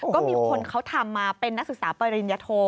ก็มีคนเขาทำมาเป็นนักศึกษาปริญญโท